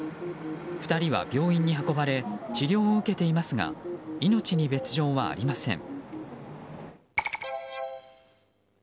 ２人は病院に運ばれ治療を受けていますが命に別条はありません。